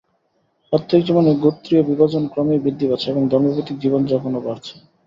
প্রাত্যহিক জীবনে গোত্রীয় বিভাজন ক্রমেই বৃদ্ধি পাচ্ছে এবং ধর্মভিত্তিক জীবনযাপনও বাড়ছে।